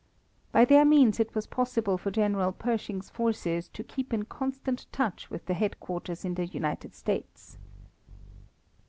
By their means it was possible for General Pershing's forces to keep in constant touch with the headquarters in the United States.